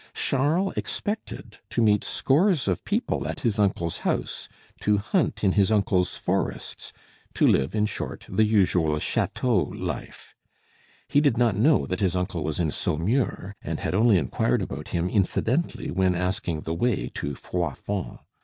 Charles expected to meet scores of people at his uncle's house, to hunt in his uncle's forests, to live, in short, the usual chateau life; he did not know that his uncle was in Saumur, and had only inquired about him incidentally when asking the way to Froidfond.